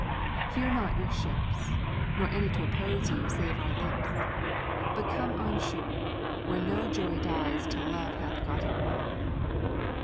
Fear not your ships, Nor any to oppose you save our lips, But come on shore, Where no joy dies till love hath gotten more.